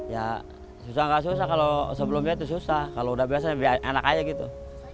ya susah nggak susah kalau sebelumnya itu susah kalau udah biasa biar enak aja gitu